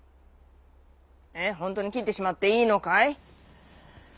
ほんとうにきってしまっていいのかい？」。